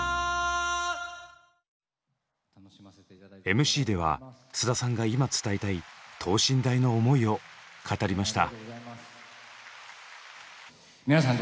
ＭＣでは菅田さんが今伝えたい等身大の思いを語りました。